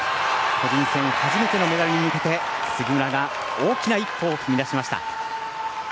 個人戦初めてのメダルに向けて杉村が大きな一歩を踏み出しました。